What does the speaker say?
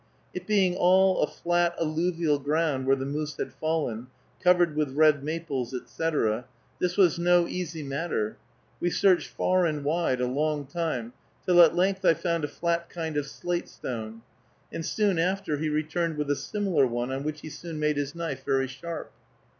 It being all a flat alluvial ground where the moose had fallen, covered with red maples, etc., this was no easy matter; we searched far and wide, a long time, till at length I found a flat kind of slate stone, and soon after he returned with a similar one, on which he soon made his knife very sharp.